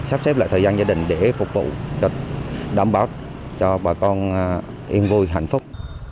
sắp xếp lại thời gian gia đình để phục vụ cho đảm bảo cho bà con yên vui hạnh phúc